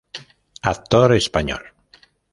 Actor español.